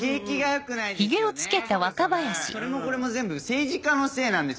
それもこれも全部政治家のせいなんですよ。